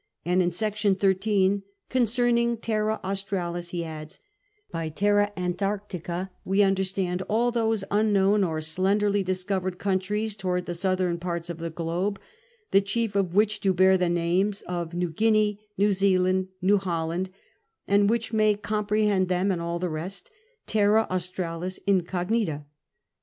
And in Section XIII, " Concerning Terra Australis," lie says : r By Terra Antarctica we understand all those unknown or slenderly discovered countries towards the southern Parts of the Globe ; the chief of which do bear the names of New Guinea, New Zealand, New Holland, and (which may cejm prehend them and all the n^st) Terra Australis T?ico(piita.